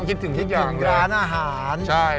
คิดถึงร้านอาหาร